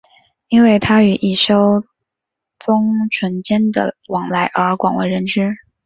因为他与一休宗纯间的往来而广为人知。